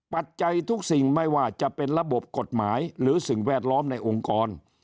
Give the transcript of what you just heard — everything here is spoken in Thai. จัยทุกสิ่งไม่ว่าจะเป็นระบบกฎหมายหรือสิ่งแวดล้อมในองค์กร